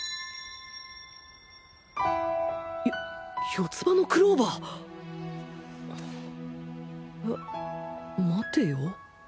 四つ葉のクローバーあっ待てよ。